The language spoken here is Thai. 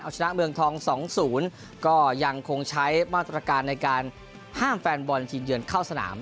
ชนะเมืองทอง๒๐ก็ยังคงใช้มาตรการในการห้ามแฟนบอลทีมเยือนเข้าสนาม